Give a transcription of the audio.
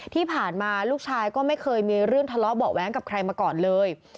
ที่ผ่านมาลูกชายก็ไม่เคยมีเรื่องทะเลาะเบาะแว้งกับใครมาก่อนเลย